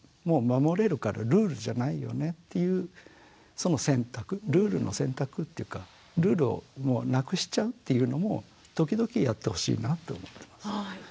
もう守れるからルールじゃないよねっていうその選択ルールの選択っていうかルールをなくしちゃうっていうのも時々やってほしいなって思ってます。